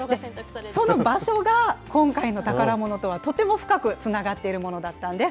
その場所が今回の宝ものとは、とても深くつながっているものだったんです。